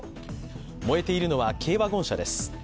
燃えているのは軽ワゴン車です。